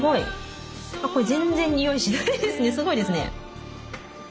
すごいですね。